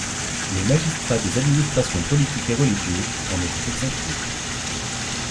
Les magistrats des administrations politiques et religieuses en étaient exemptés.